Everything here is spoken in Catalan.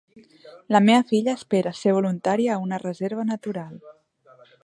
La meva filla espera ser voluntària a una reserva natural.